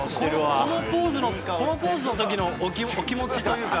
このポーズの時のお気持ちというか。